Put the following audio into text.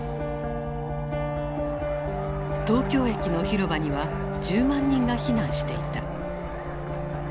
東京駅の広場には１０万人が避難していた。